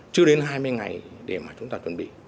chưa đến hai mươi ngày để mà chúng ta chuẩn bị